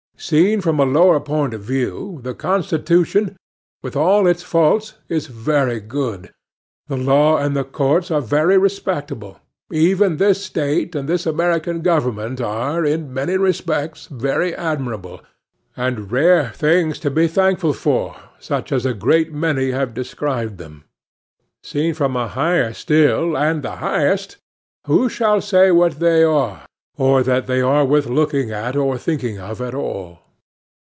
Seen from a lower point of view, the Constitution, with all its faults, is very good; the law and the courts are very respectable; even this State and this American government are, in many respects, very admirable, and rare things, to be thankful for, such as a great many have described them; seen from a higher still, and the highest, who shall say what they are, or that they are worth looking at or thinking of at all?